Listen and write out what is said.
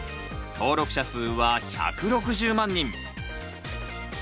登録者数は１６０万人。